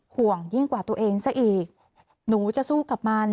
ห่วงยิ่งกว่าตัวเองซะอีกหนูจะสู้กับมัน